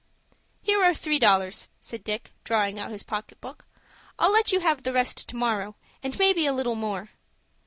"Here are three dollars," said Dick, drawing out his pocket book. "I'll let you have the rest to morrow, and maybe a little more."